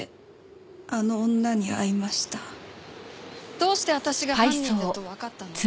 どうして私が犯人だとわかったの？